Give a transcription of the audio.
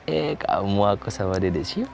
eh kamu aku sama dedek syifan